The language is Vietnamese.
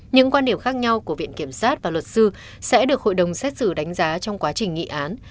những quan điểm khác nhau của viện kiểm sát và luật sư sẽ được hội đồng xét xử đánh giá trong quá trình nghị án